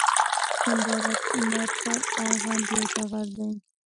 ګندارا نه تر ارغند یو ټغر دی